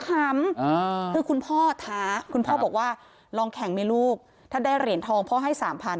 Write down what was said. คือคุณพ่อท้าคุณพ่อบอกว่าลองแข่งไหมลูกถ้าได้เหรียญทองพ่อให้๓๐๐๐